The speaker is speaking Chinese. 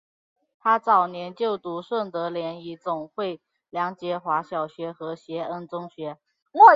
她早年就读顺德联谊总会梁洁华小学和协恩中学。